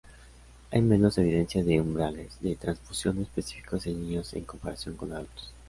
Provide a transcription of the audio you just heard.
Hay menos evidencia de umbrales de transfusión específicos en niños en comparación con adultos.